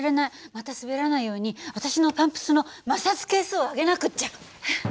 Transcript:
また滑らないように私のパンプスの摩擦係数を上げなくっちゃ。